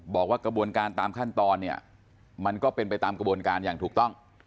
บอกว่ากระบวนการตามขั้นตอนเนี่ยมันก็เป็นไปตามกระบวนการอย่างถูกต้อง